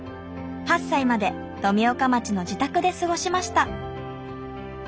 ８歳まで富岡町の自宅で過ごしました。